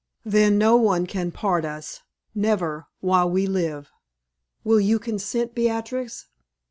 Then no one can part us never, while we live. Will you consent, Beatrix?"